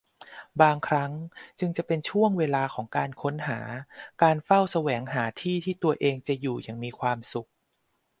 บางครั้งจึงจะเป็นช่วงเวลาของการค้นหา การเฝ้าแสวงหาที่ที่ตัวเองจะอยู่อย่างมีความสุข